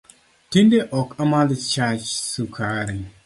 Tinde ok amadh chach sukari